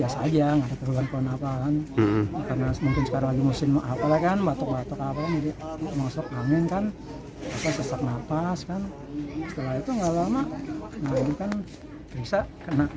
setelah itu tidak lama nama nama kan teriksa kena